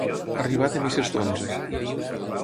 Arribar de misses d'onze.